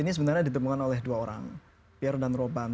ini sebenarnya ditemukan oleh dua orang pierre dan robin